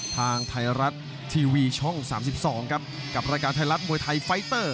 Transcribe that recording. ทางไทยรัฐทีวีช่อง๓๒ครับกับรายการไทยรัฐมวยไทยไฟเตอร์